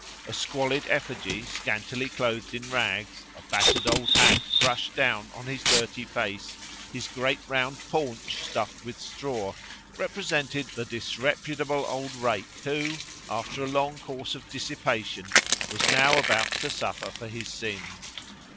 A squalid effigy scantily clothed in rags, a battered old hat crushed down on his dirty face, his great round paunch stuffed with straw, represented the disreputable old rake who, after a long course of dissipation, was now about to suffer for his sins.